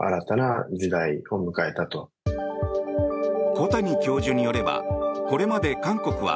小谷教授によればこれまで韓国は